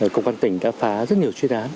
công an tỉnh đã phá rất nhiều chuyên án